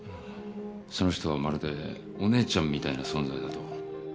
その人はまるでお姉ちゃんみたいな存在だと。